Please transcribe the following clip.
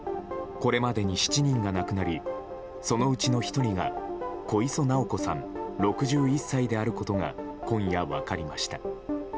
これまでに７人が亡くなりそのうちの１人が小磯尚子さん６１歳であることが今夜分かりました。